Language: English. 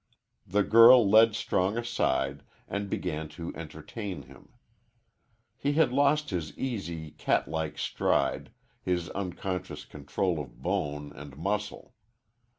The girl led Strong aside and began to entertain him. He had lost his easy, catlike stride, his unconscious control of bone and muscle.